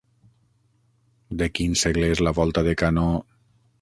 De quin segle és la volta de canó?